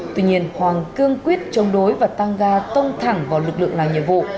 tuy nhiên hoàng cương quyết chống đối và tăng ga tông thẳng vào lực lượng làm nhiệm vụ